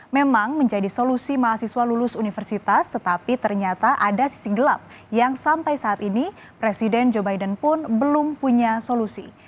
memang menjadi solusi mahasiswa lulus universitas tetapi ternyata ada sisi gelap yang sampai saat ini presiden joe biden pun belum punya solusi